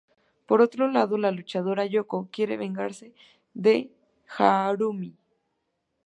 Por otro lado, la luchadora Yoko quiere vengarse de Harumi.